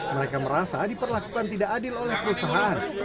mereka merasa diperlakukan tidak adil oleh perusahaan